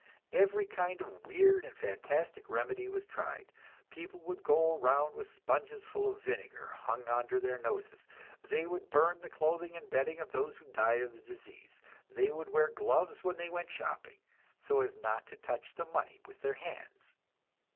Every kind of weird and fantastic remedy was tried; people would go around with sponges full of vinegar hung under their noses; they would burn the clothing and bedding of those who died of the disease; they would wear gloves when they went shopping, so as not to touch the money with their hands.